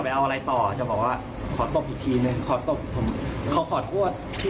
ไม่ใช่ว่าใครจะถูกกล่องก็ได้